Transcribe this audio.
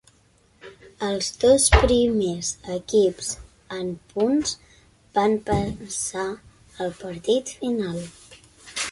Els dos primers equips en punts van passar al partit final.